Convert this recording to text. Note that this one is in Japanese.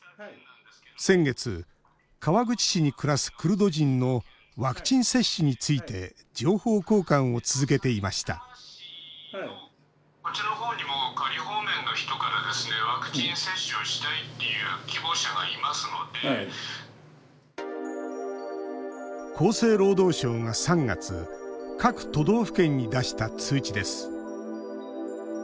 先月、川口市に暮らすクルド人のワクチン接種について情報交換を続けていました厚生労働省が３月各都道府県に出した通知です。